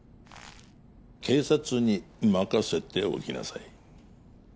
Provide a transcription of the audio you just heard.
警察に任せておきなさい